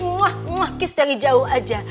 muah muah kiss dari jauh aja